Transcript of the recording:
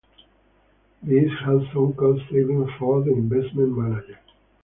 This has some cost savings for the investment manager.